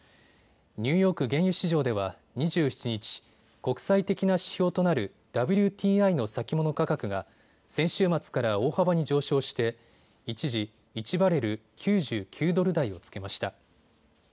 ニューヨーク原油市場では２７日、国際的な指標となるＷＴＩの先物価格が先週末から大幅に上昇して一時、１バレル９９ドル台をつけました。